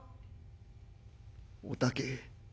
「お竹。